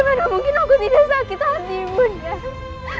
bagaimana mungkin aku tidak sakit hati ibu nek